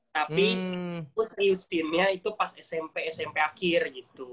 tapi terus ke istimewa itu pas smp smp akhir gitu